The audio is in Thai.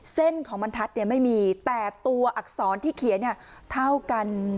เส้นของบรรทัศน์ไม่มีแต่ตัวอักษรที่เขียนเนี่ยเท่ากัน